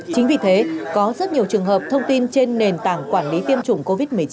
chính vì thế có rất nhiều trường hợp thông tin trên nền tảng quản lý tiêm chủng covid một mươi chín